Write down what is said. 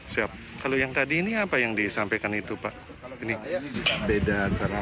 siap kalau yang tadi ini apa yang disampaikan itu pak ini beda karena